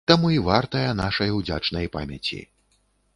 Таму і вартая нашай удзячнай памяці.